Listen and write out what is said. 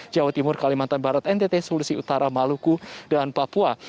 jawa timur kalimantan barat ntt sulawesi utara maluku dan papua